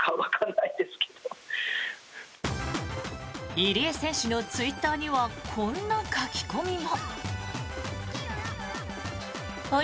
入江選手のツイッターにはこんな書き込みも。